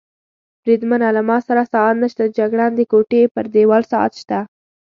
بریدمنه، له ما سره ساعت نشته، د جګړن د کوټې پر دېوال ساعت شته.